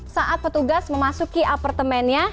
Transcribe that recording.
saat petugas memasuki apartemennya